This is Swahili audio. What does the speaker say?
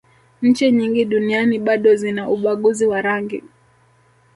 nchi nyingi duniani bado zina ubaguzi wa rangi